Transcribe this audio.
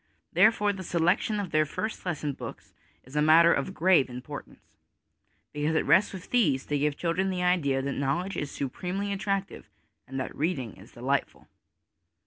Therefore, the selection of their first lesson books is a matter of grave importance, because it rests with these to give children the idea that knowledge is supremely attractive and that reading is delightful.